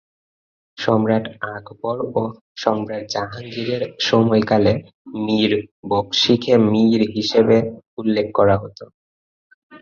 সম্রাট আকবর ও সম্রাট জাহাঙ্গীর এঁর সময়কালে মীর বখশি-কে "মীর" হিসেবে উল্লেখ করা হতো।